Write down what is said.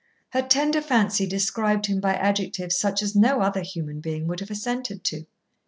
Her tender fancy described him by adjectives such as no other human being would have assented to.